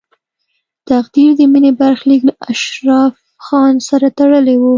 تقدیر د مینې برخلیک له اشرف خان سره تړلی و